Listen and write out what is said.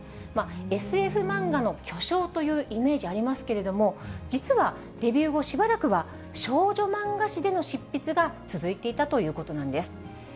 ＳＦ漫画の巨匠というイメージありますけれども、実は、デビュー後しばらくは、少女漫画誌での執筆が続いていたということなんです。